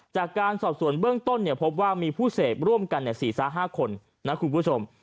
จากการสอบความเบื้องต้นเนี่ยพบว่ามีผู้เสพร่วมกันเนี่ย๔๕คนนะคุณผู้ชม